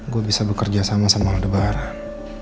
gue bisa bekerja sama sama lebaran